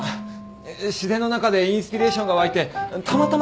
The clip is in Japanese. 自然の中でインスピレーションが湧いてたまたま書けて。